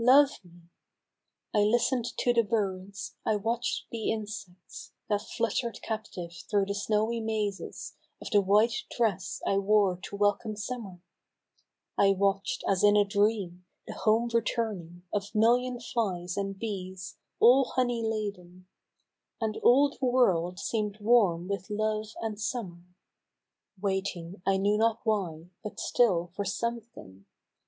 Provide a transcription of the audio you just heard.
Love me !", I listened to the birds, I watch'd the insects That fluttered captive thro' the snowy mazes Of the white dress I wore to welcome summer ; I watch'd, as in a dream, the home returning Of million flies and bees all honey laden ; And all the world seem'd warm with Love and Summer, — Waiting, I knew not why, but still for something.